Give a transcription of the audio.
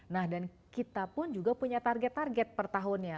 nah dan kita pun juga punya target target per tahunnya